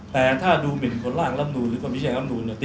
แต่ถ้าดูหมินหลองล้ำนูนะเหรอ